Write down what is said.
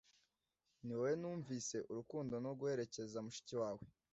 niwowe numvise urukundo no guherekeza mushiki wawe